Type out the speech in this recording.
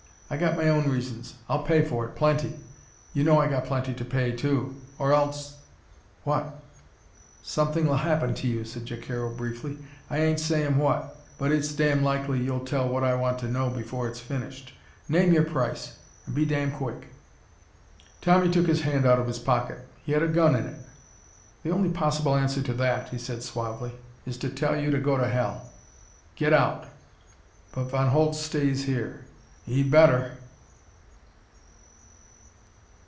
I got my own reasons. I'll pay for it. Plenty. You know I got plenty to pay, too. Or else " "What?" "Something'll happen to you," said Jacaro briefly. "I ain't sayin'' what. But it's damn likely you'll tell what I want to know before it's finished. Name your price and be damn quick!" Tommy took his hand out of his pocket. He had a gun in it. "The only possible answer to that," he said suavely, "is to tell you to go to hell. Get out! But Von Holtz stays here. He'd better!"